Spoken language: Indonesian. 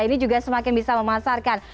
ini juga semakin bisa memasarkan